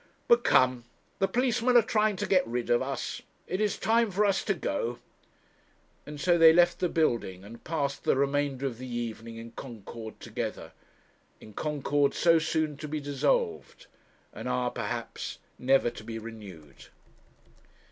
But, come, the policemen are trying to get rid of us; it is time for us to go,' and so they left the building, and passed the remainder of the evening in concord together in concord so soon to be dissolved, and, ah! perhaps never to be renewed.